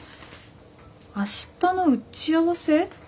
明日の打ち合わせ？